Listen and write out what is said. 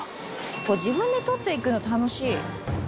こう自分で取っていくの楽しい。